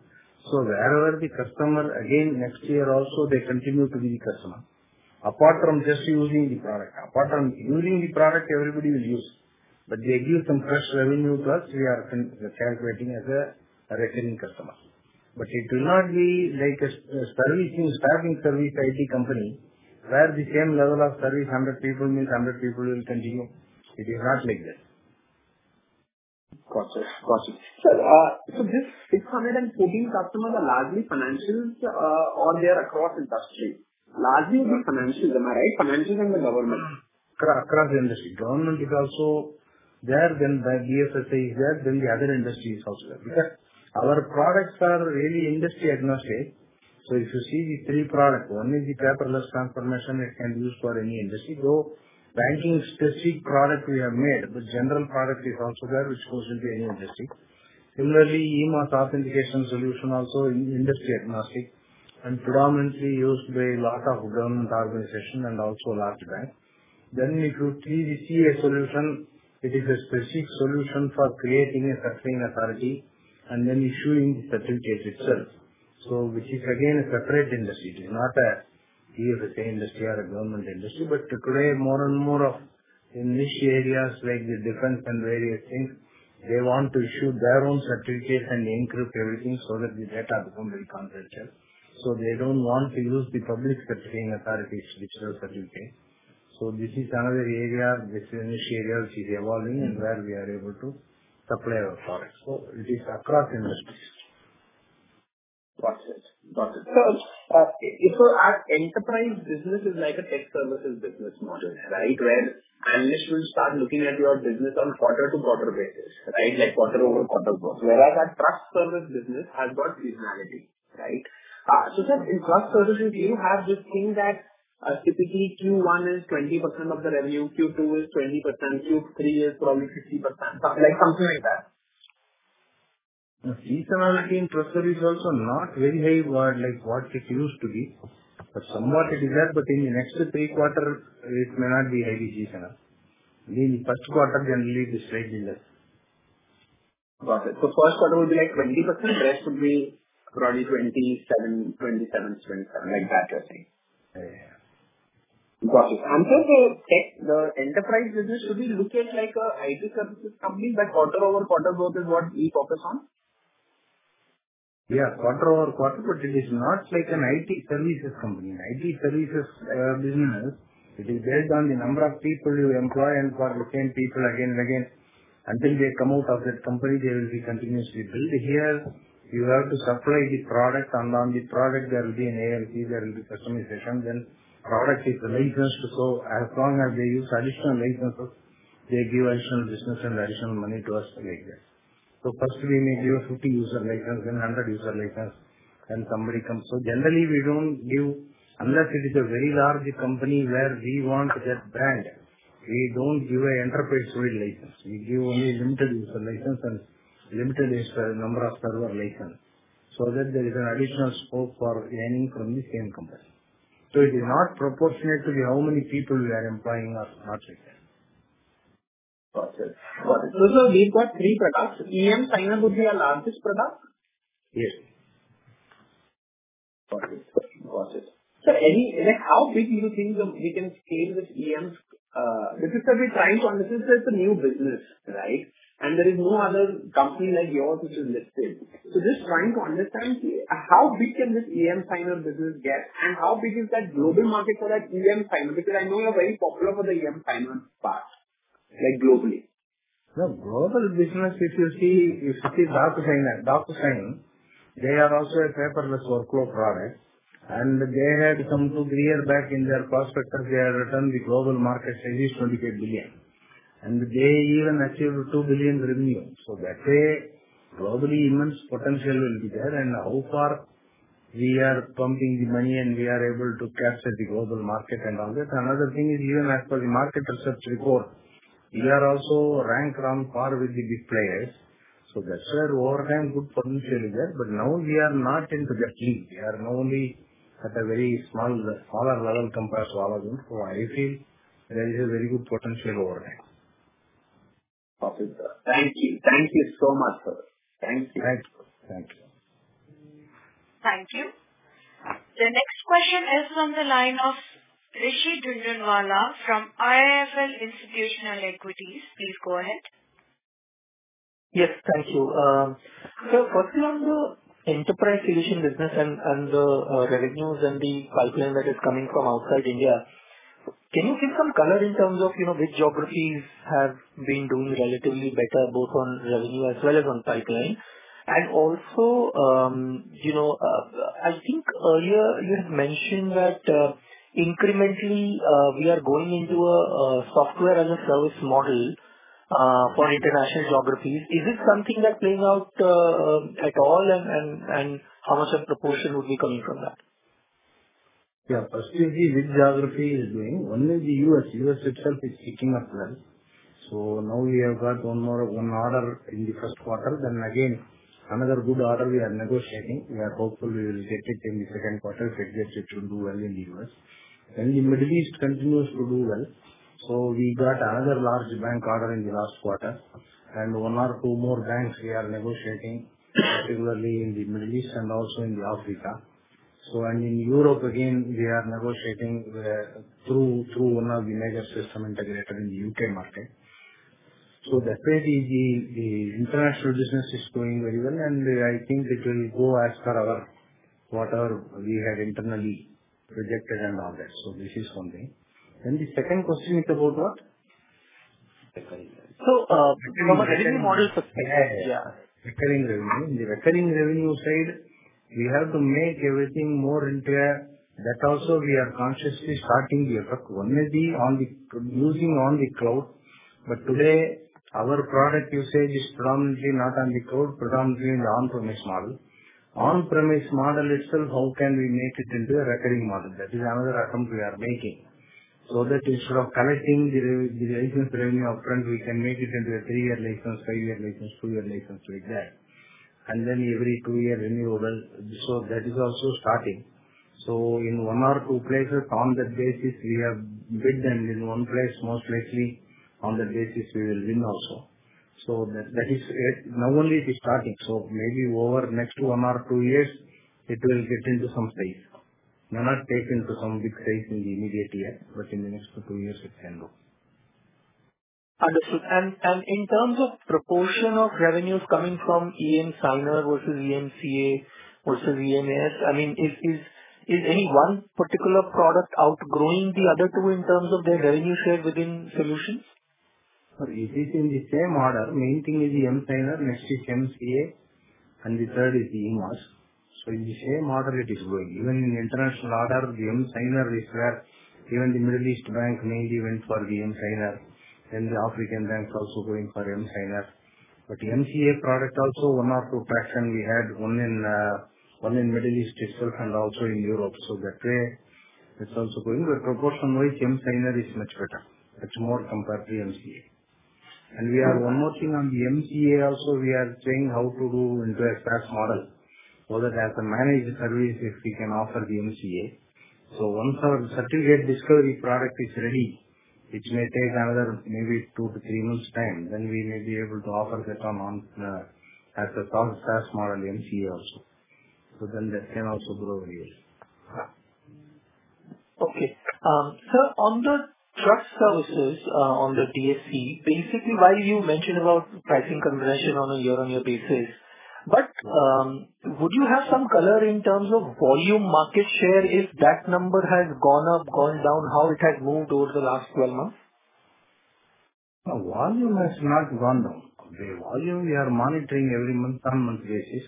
Wherever the customer again, next year also, they continue to be the customer. Apart from just using the product. Apart from using the product, everybody will use, but they give some fresh revenue to us. We are then calculating as a returning customer. It will not be like a SaaS service, you know, staffing service IT company where the same level of service, 100 people means 100 people will continue. It is not like that. Got it. This 613 customers are largely financials, or they are across industry. Largely it is financial, am I right? Financial and the government. Across the industry. Government is also there. The BFSI is there, the other industries also. Because our products are really industry agnostic. If you see the three products, one is the emSigner that can be used for any industry. Banking-specific product we have made, but general product is also there, which goes into any industry. Similarly, emAS authentication solution also industry agnostic and predominantly used by a lot of government organizations and also large banks. If you see the emCA solution, it is a specific solution for creating a certifying authority and then issuing the certificate itself. Which is again a separate industry. It is not a BFSI industry or a government industry. Today, more and more of niche areas like the defense and various things, they want to issue their own certificates and encrypt everything so that the data become very confidential. They don't want to use the public Certifying Authority's digital certificate. This is another area, this niche area which is evolving. Where we are able to supply our products. It is across industries. Got it. If our enterprise business is like a tech services business model, right? Where analysts will start looking at your business on quarter-over-quarter basis, right? Like quarter-over-quarter growth. Whereas our Trust Service business has got seasonality, right? Sir, in Trust Services, do you have this thing that typically Q1 is 20% of the revenue, Q2 is 20%, Q3 is probably 50%, something like that? The seasonality in trust service also not very high or like what it used to be. Somewhat it is there, but in the next three quarters it may not be highly seasonal. In first quarter, generally it is slightly less. Got it. First quarter will be like 20%, rest should be probably 27%, 27%, 27%, like that kind of thing. Yeah. Got it. The enterprise business should be looking like an IT services company, but quarter-over-quarter growth is what we focus on? Yeah, quarter-over-quarter, but it is not like an IT services company. IT services business, it is based on the number of people you employ and for the same people again and again, until they come out of that company, they will be continuously billed. Here, you have to supply the product and on the product there will be an AMC, there will be customization, then product is licensed. As long as they use additional licenses, they give additional business and additional money to us, like that. First we may give 50 user license, then 100 user license, when somebody comes. Generally we don't give. Unless it is a very large company where we want that brand, we don't give an enterprise-wide license. We give only limited user license and limited number of server license, so that there is an additional scope for earning from the same company. It is not proportionate to how many people we are employing or not like that. Got it. Sir, we've got three products. emSigner would be your largest product? Yes. Got it. Like, how big you think you can scale this emSigner, because we're trying to understand it's a new business, right? There is no other company like yours which is listed. Just trying to understand, how big can this emSigner business get and how big is that global market for that emSigner? Because I know you're very popular for the emSigner part, like globally. The global business, if you see DocuSign, they are also a paperless workflow product. They had two years back in their prospectus, they had written the global market size is $28 billion. They even achieved $2 billion revenue. That way, globally immense potential will be there. How far we are pumping the money and we are able to capture the global market and all that. Another thing is even as per the market research report, we are also ranked on par with the big players. That way, over time good potential is there. Now we are not into that league. We are only at a very small, smaller level compared to all of them. I feel there is a very good potential over time. Okay, sir. Thank you. Thank you so much, sir. Thank you. Thanks. Thank you. Thank you. The next question is from the line of Rishi Jhunjhunwala from IIFL Institutional Equities. Please go ahead. Yes. Thank you. So firstly on the Enterprise Solutions business and the revenues and the pipeline that is coming from outside India, can you give some color in terms of, you know, which geographies have been doing relatively better, both on revenue as well as on pipeline? Also, I think earlier you had mentioned that, incrementally, we are going into a software-as-a-service model. For international geographies, is this something that's playing out at all and how much of the portion would be coming from that? Yeah. Firstly, this geography is doing well only in the U.S. U.S. itself is picking up well. Now we have got one more order in the first quarter. Again, another good order we are negotiating. We are hopeful we will get it in the second quarter. If we get it should do well in the U.S. The Middle East continues to do well. We got another large bank order in the last quarter and one or two more banks we are negotiating, particularly in the Middle East and also in Africa. In Europe again, we are negotiating through one of the major system integrator in the U.K. market. Definitely, the international business is doing very well, and I think it will go as per what we had internally projected and all that. This is one thing. The second question is about what? If you remember, revenue model Yeah, yeah. Yeah. Recurring revenue. In the recurring revenue side, we have to make everything more into. That also we are consciously starting the effort. One is using on the cloud. Today, our product usage is predominantly not on the cloud, predominantly in the on-premise model. On-premise model itself, how can we make it into a recurring model? That is another attempt we are making. That instead of collecting the license revenue upfront, we can make it into a three-year license, five-year license, two-year license like that. Then every two year renewable. That is also starting. In one or two places, on that basis, we have bid and in one place most likely, on that basis we will win also. That is it. Now only it is started, so maybe over next one or two years it will get into some size. May not take into some big size immediately, but in the next two years it can grow. Understood. In terms of proportion of revenues coming from emSigner versus emCA versus emAS, I mean, is any one particular product outgrowing the other two in terms of their revenue share within solutions? It is in the same order. Main thing is the emSigner, next is emCA, and the third is the emAS. In the same order it is going. Even in international order, the emSigner is where even the Middle East bank mainly went for the emSigner. The African banks also going for emSigner. emCA product also one or two traction we had one in, one in Middle East itself and also in Europe. That way it's also growing. Proportion-wise emSigner is much better. Much more compared to emCA. We have one more thing on the emCA also we are seeing how to do into a SaaS model, so that as a managed service if we can offer the emCA. Once our certificate discovery product is ready, which may take another maybe two to three months time, then we may be able to offer that on, as a cloud SaaS model emCA also. That can also grow really. Okay. On the Trust Services, on the DSC, basically while you mention about pricing conversion on a year-on-year basis, but would you have some color in terms of volume market share, if that number has gone up, gone down, how it has moved over the last 12 months? No, volume has not gone down. The volume we are monitoring every month on monthly basis.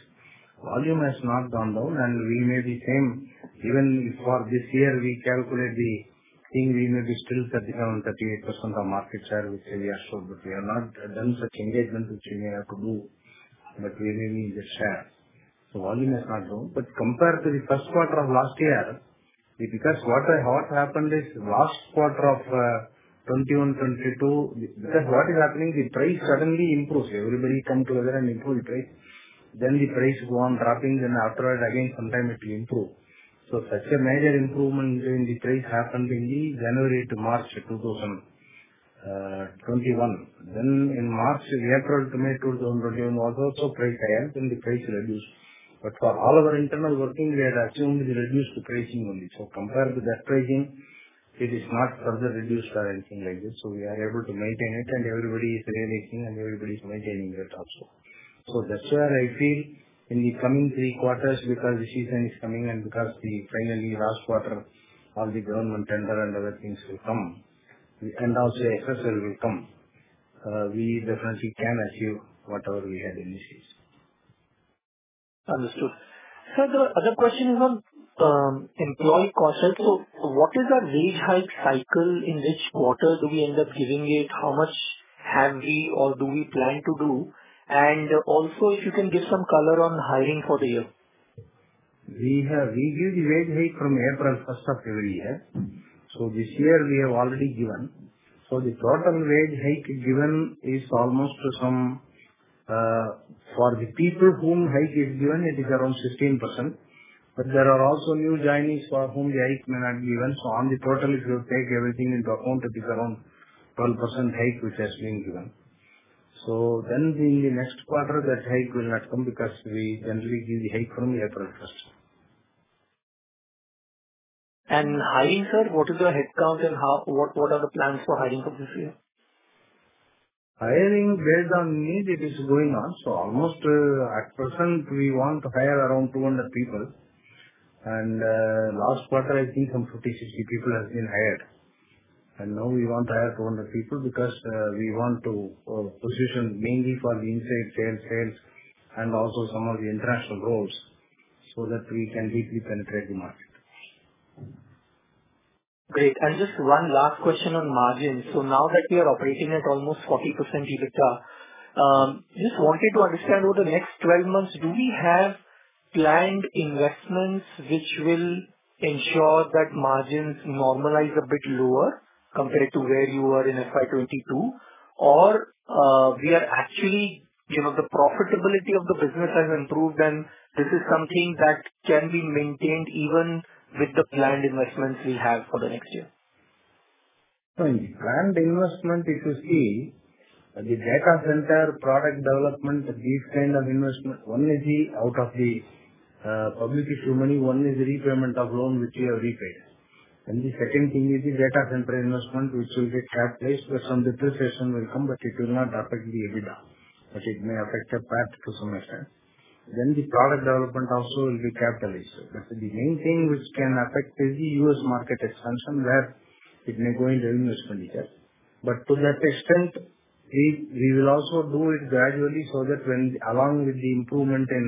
Volume has not gone down and we may be same even for this year we calculate. I think we may be still 37%-38% of market share, which we are sure, but we have not done such engagement which we may have to do. We may be in the share. Volume has not gone. Compared to the first quarter of last year, what happened is last quarter of 2021-2022, the price suddenly improves. Everybody come together and improve the price. Then the first quarter of 2022, the price go on dropping. Afterwards again sometimes it improve. Such a major improvement in the price happened in January to March 2021. In March, April to May 2021 prices were also higher. The price reduced. For all our internal working we had assumed the reduced pricing only. Compared to that pricing it is not further reduced or anything like this, so we are able to maintain it and everybody is realizing and everybody is maintaining that also. That's where I feel in the coming three quarters because the season is coming and because the final quarter all the government tender and other things will come, and also excess will come. We definitely can achieve whatever we had initiated. Understood. Sir, the other question is on employee costs. What is the wage hike cycle, in which quarter do we end up giving it? How much have we or do we plan to do? Also if you can give some color on hiring for the year. We give the wage hike from April first of every year. This year we have already given. The total wage hike given is almost some. For the people whom hike is given, it is around 16%, but there are also new joinees for whom the hike may not given. On the total, if you take everything into account, it is around 12% hike which has been given. Then in the next quarter that hike will not come because we generally give the hike from April first. Hiring, sir, what is the headcount and what are the plans for hiring for this year? Hiring based on need, it is going on. Almost, at present we want to hire around 200 people. Last quarter I think some 50, 60 people have been hired. Now we want to hire 200 people because we want to position mainly for the inside sales and also some of the international roles so that we can deeply penetrate the market. Great. And just one last question on margins. Now that we are operating at almost 40% EBITDA, just wanted to understand over the next 12 months, do we have planned investments which will ensure that margins normalize a bit lower compared to where you are in FY 2022 or we are actually, you know, the profitability of the business has improved, and this is something that can be maintained even with the planned investments we have for the next year. Planned investment, if you see, the data center product development, these kind of investment, one is out of the public issue money. One is repayment of loan which we have repaid. The second thing is the data center investment which will get capitalized, where some depreciation will come, but it will not affect the EBITDA, but it may affect the PAT to some extent. The product development also will be capitalized. The main thing which can affect is the U.S. market expansion, where it may go into investment itself. To that extent, we will also do it gradually, so that when along with the improvement in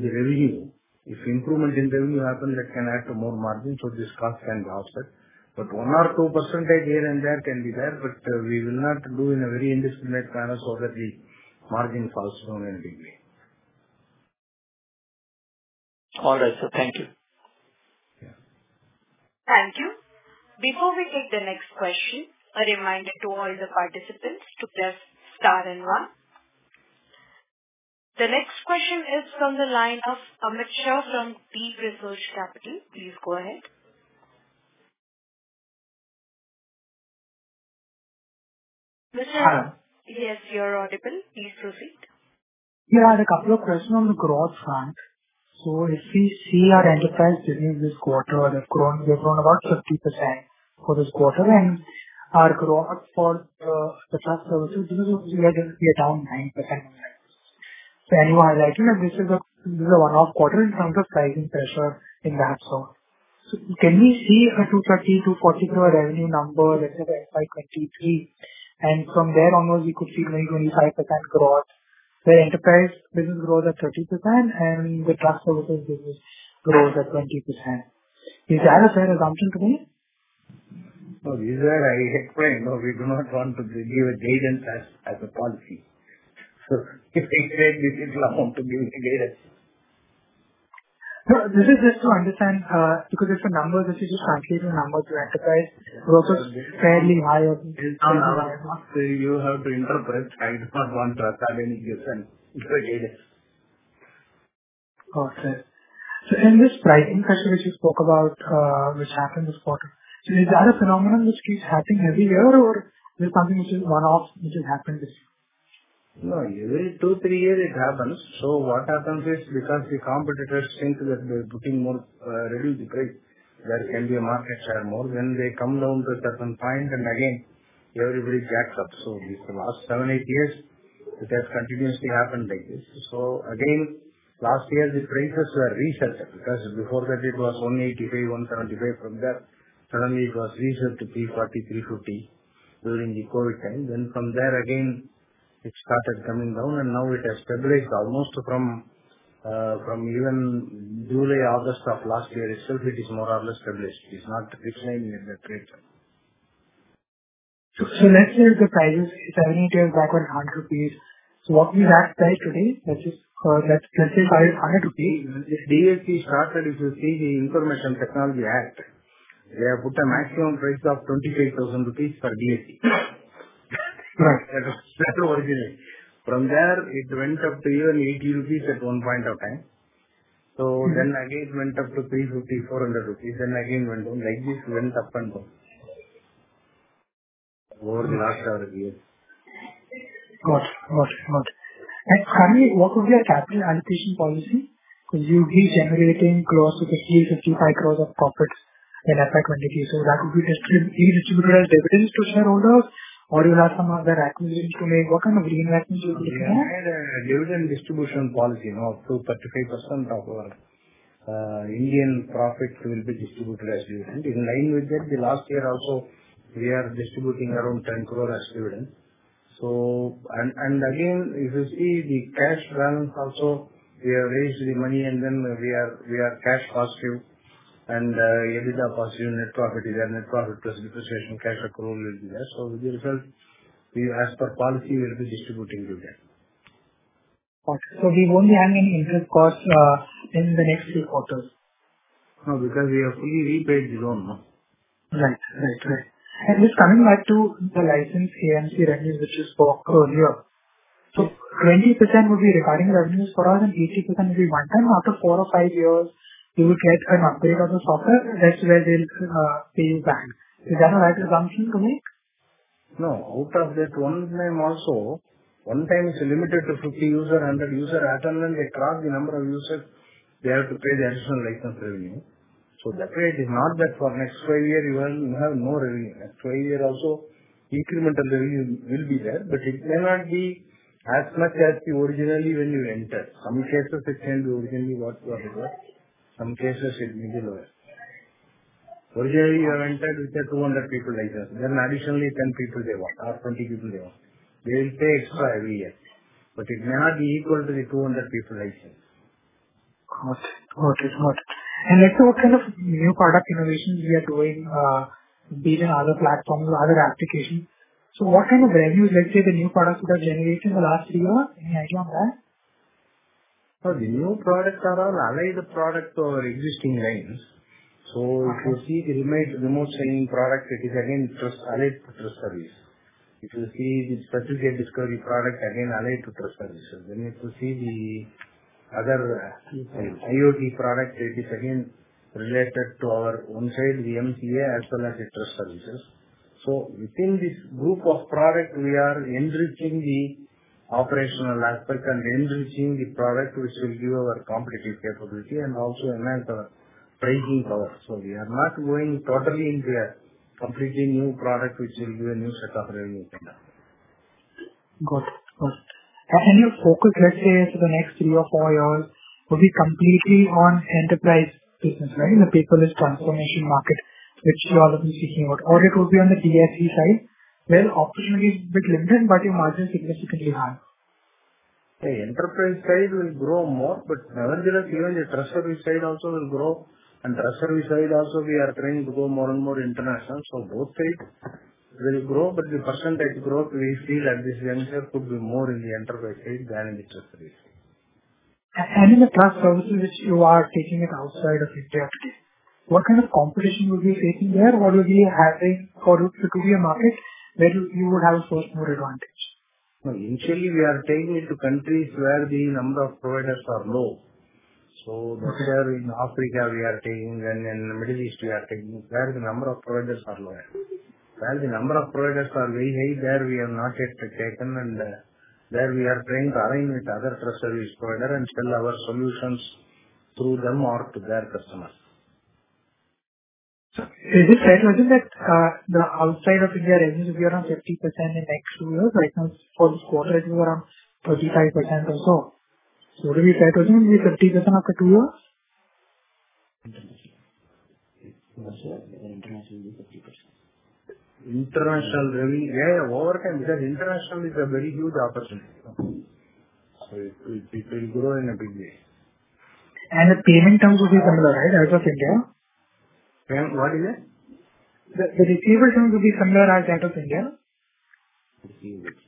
the revenue. If improvement in the revenue happen, that can add to more margin, so this cost can be offset. One or two percentage here and there can be there, but we will not do in a very indiscriminate manner so that the margin falls down anyway. All right, sir. Thank you. Yeah. Thank you. Before we take the next question, a reminder to all the participants to press star and one. The next question is from the line of Amit Shah from Deep Research Capital. Please go ahead. Hello. Yes, you're audible. Please proceed. I had a couple of questions on the growth front. If we see our enterprise revenue this quarter has grown, we have grown about 50% for this quarter, and our growth for the Trust Services, this is obviously, I think it's down 9%. Anyway, this is a one-off quarter in terms of pricing pressure in the app store. Can we see a 230-244 revenue number, let's say by 2023, and from there onwards we could see maybe 25% growth, where enterprise business grows at 30% and the Trust Services business grows at 20%. Is that a fair assumption to make? No, I explained. No, we do not want to give a guidance as a policy. If they create, we didn't want to give any guidance. No, this is just to understand, because it's a number. This is just confusing. Number two, enterprise growth was fairly high. You have to interpret. I do not want to have any different guidance. Got it. In this pricing pressure which you spoke about, which happened this quarter, is that a phenomenon which keeps happening every year or is something which is one-off, which has happened this year? No, every two, three years it happens. What happens is, because the competitors think that they're putting more revenue price, there can be a market share more. When they come down to a certain point, and again everybody jacks up. The last seven, eight years it has continuously happened like this. Again, last year the prices were reset because before that it was 185, 175. From there suddenly it was reset to 340, 350 during the COVID time. From there again it started coming down and now it has stabilized almost from even July, August of last year itself. It is more or less stabilized. It's not in that rate. Next year, the prices, if I need to go back 100 rupees. What we have said today, that is, let's say 500 rupees. This DSC standard, if you see the Information Technology Act, they have put a maximum price of INR 25,000 per DSC. Right. That's the original. From there it went up to even 80 rupees at one point of time. Again it went up to 350 rupees, 400 rupees. Again went down. Like this it went up and down. Over the last 10 years. Got it. Finally, what would be a capital allocation policy? You'll be generating close to 50 crore-55 crores of profits in effect when it is. That would be distributed as dividends to shareholders, or you'll have some other acquisitions to make. What kind of reinvestment you'll be doing? We have a dividend distribution policy, you know, up to 35% of our Indian profits will be distributed as dividend. In line with that, the last year also we are distributing around 10 crore as dividend. Again, if you see the cash balance also, we have raised the money and then we are cash positive and EBITDA positive, net profit is our net profit plus depreciation, cash flow will be there. With the result, we as per policy, we will be distributing to that. Got you. We won't be having any interest costs in the next few quarters. No, because we have fully repaid the loan now. Right. Just coming back to the license AMC revenue, which you spoke earlier. 20% will be recurring revenues, 40%-80% will be one-time. After four or five years, you will get an upgrade of the software. That's where they'll pay you back. Is that a right assumption to make? No. Out of that one time also, one time is limited to 50 users, 100 users. As and when they cross the number of users, they have to pay the additional license revenue. That way it is not that for next five years you will, you have no revenue. Next five years also incremental revenue will be there, but it may not be as much as the original when you entered. Some cases it can be original what you have got. Some cases it may be lower. Original you have entered with a 200 people license, then additionally 10 people they want or 20 people they want. They will pay extra every year, but it may not be equal to the 200 people license. Got it. Let's say what kind of new product innovations we are doing, be it in other platforms or other applications. What kind of revenue, let's say, the new products that are generating the last three years? Any idea on that? The new products are all aligned to our existing lines. Okay. If you see the remote signing product, it is again just allied to Trust Service. If you see the certificate discovery product, again, allied to Trust Services. If you see the other IoT product, it is again related to our on-site emCA as well as the Trust Services. Within this group of product, we are enriching the operational aspect and enriching the product which will give our competitive capability and also enhance our pricing power. We are not going totally into a completely new product which will give a new set of revenue for now. Got it. Your focus, let's say, for the next three or four years will be completely on enterprise business, right? The paperless transformation market, which you all have been speaking about. Or it will be on the PID side, where opportunity is bit limited, but your margins significantly high. The enterprise side will grow more, but simultaneously, the trust service side also will grow. Trust service side also, we are trying to go more and more international. Both sides will grow, but the percentage growth we feel at this juncture could be more in the enterprise side than in the trust service. In the Trust Services which you are taking it outside of India, what kind of competition you'll be facing there? What will be a hazard for you to clear market where you will have so much more advantage? Initially, we are taking it to countries where the number of providers are low. That's why in Africa we are taking, then in Middle East we are taking, where the number of providers are lower. Where the number of providers are very high, there we have not yet taken, and there we are trying to align with other trust service provider and sell our solutions through them or to their customers. Is it right, wasn't it, the outside of India revenue will be around 50% in next two years? Right now, for this quarter, it will be around 35% or so. Do we try to reach the 50% after two years? International will be 50%. International revenue. Yeah, over time, because international is a very huge opportunity. Okay. It will grow in a big way. The payment term will be similar, right, as in India? What is it? The receivables will be similar as that of India? Receivables,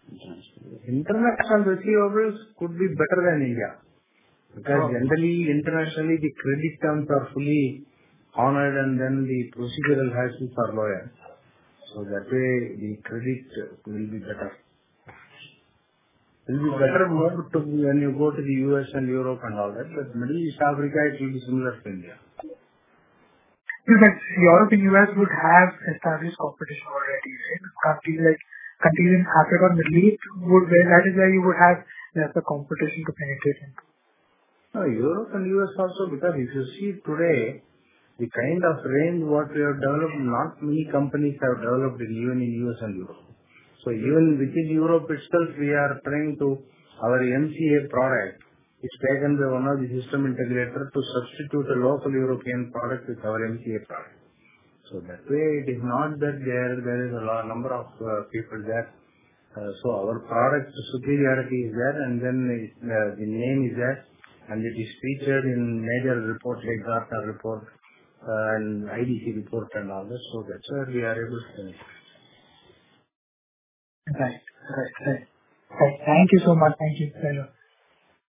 international. International receivables could be better than India. Okay. Because generally, internationally, the credit terms are fully honored, and then the procedural hassles are lower. So that way the credit will be better. It will be better when you go to the U.S. and Europe and all that, but Middle East, Africa, it will be similar to India. It's like Europe and U.S. would have established competition already, right? Countries in Africa and Middle East where that is where you would have lesser competition to penetrate into. No, Europe and U.S, also, because if you see today, the kind of range what we have developed, not many companies have developed it even in US and Europe. Even within Europe itself, we are trying to. Our emCA product is taken by one of the system integrator to substitute a local European product with our emCA product. That way it is not that there is a low number of people there. Our product superiority is there, and then it's the name is there, and it is featured in major reports like Gartner report and IDC report and all that. That's where we are able to penetrate. Right. Thank you so much. Thank you.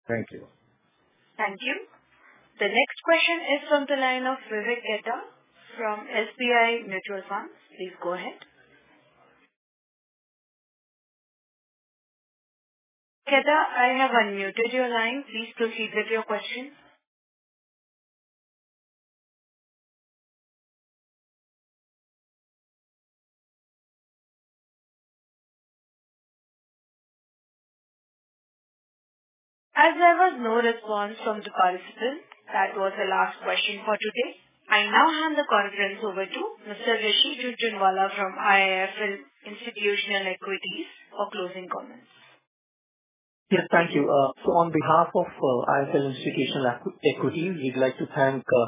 Hello. Thank you. Thank you. The next question is on the line of Vivek Khetan from SBI Mutual Fund. Please go ahead. Khetan, I have unmuted your line. Please proceed with your question. As there was no response from the participant, that was the last question for today. I now hand the conference over to Mr. Rishi Jhunjhunwala from IIFL Institutional Equities for closing comments. Yes. Thank you. On behalf of IIFL Institutional Equities, we'd like to thank the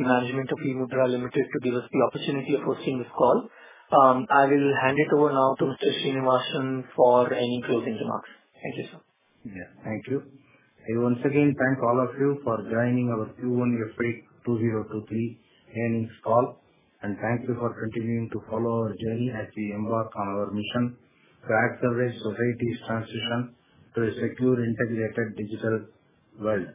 management of eMudhra Limited to give us the opportunity of hosting this call. I will hand it over now to Mr. Srinivasan for any closing remarks. Thank you, sir. Yeah. Thank you. I once again thank all of you for joining our Q1 FY 2023 earnings call. Thank you for continuing to follow our journey as we embark on our mission to accelerate society's transition to a secure, integrated digital world.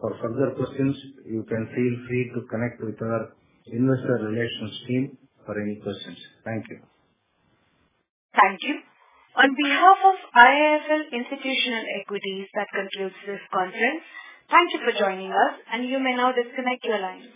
For further questions, you can feel free to connect with our investor relations team for any questions. Thank you. Thank you. On behalf of IIFL Institutional Equities, that concludes this conference. Thank you for joining us, and you may now disconnect your lines.